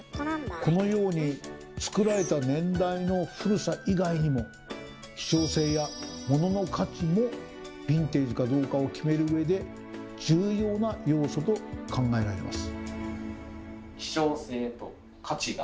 このように作られた年代の古さ以外にも希少性やモノの価値もヴィンテージかどうかを決める上で重要な要素と考えられます。